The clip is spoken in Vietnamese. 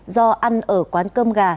do ăn ở quán cơm gà